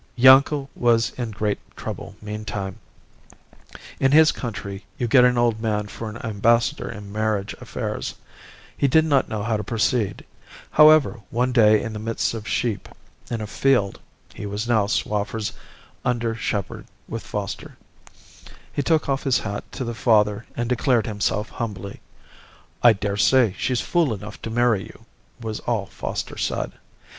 "Yanko was in great trouble meantime. In his country you get an old man for an ambassador in marriage affairs. He did not know how to proceed. However, one day in the midst of sheep in a field (he was now Swaffer's under shepherd with Foster) he took off his hat to the father and declared himself humbly. 'I daresay she's fool enough to marry you,' was all Foster said.